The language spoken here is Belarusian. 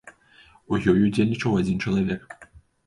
У ёй удзельнічаў адзін чалавек.